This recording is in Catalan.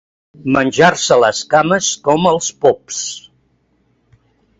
Menjar-se les cames com els pops.